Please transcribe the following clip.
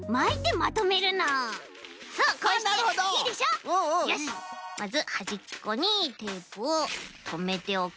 まずはじっこにテープをとめておく。